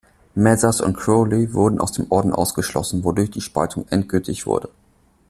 Mathers und Crowley wurden aus dem Orden ausgeschlossen, wodurch die Spaltung endgültig wurde.